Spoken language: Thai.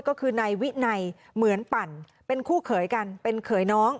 ก็คือนายวินัยเหมือนปั่นเป็นคู่เขยกันเป็นเขยน้อง